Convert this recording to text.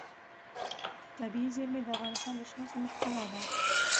طبیعي زیرمې د افغانستان د شنو سیمو ښکلا ده.